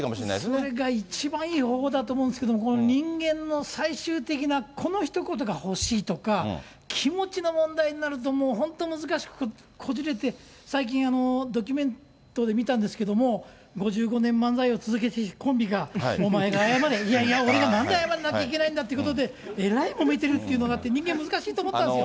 それが一番いい方法だと思うんですけども、人間の最終的なこのひと言が欲しいとか、気持ちの問題になると、もう本当難しくこじれて、最近、ドキュメントで見たんですけれども、５５年、漫才を続けているコンビが、お前が謝れ、いやいや、俺がなんで謝んなきゃいけないんだということで、えらいもめてるっていうのがあって、人間難しいと思ったんですよ。